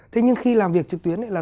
thế nhưng khi làm việc trực tuyến